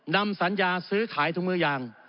นำสัญญาซื้อขายถุงมือยาง